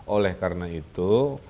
oleh karena itu